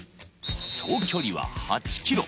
総距離は８キロ